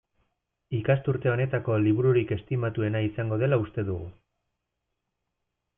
Ikasturte honetako libururik estimatuena izango dela uste dugu.